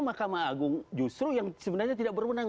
mahkamah agung justru yang sebenarnya tidak berwenang